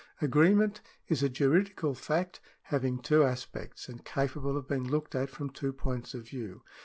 Agreement is a juridical fact having two aspects, and capable of being looked at from two points of view.